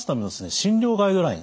診療ガイドライン